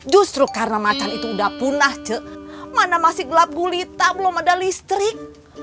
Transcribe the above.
justru karena macan itu udah punah mana masih gelap gulita belum ada listrik